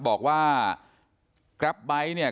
บอกว่ากรับไบท์